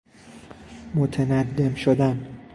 متندم شدن